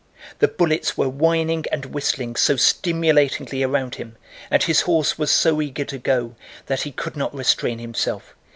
The bullets were whining and whistling so stimulatingly around him and his horse was so eager to go that he could not restrain himself.